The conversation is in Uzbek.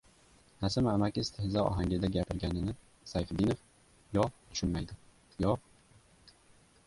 Nasim amaki istehzo ohangida gapirganini Sayfiddinov yo tushunmadi, yo…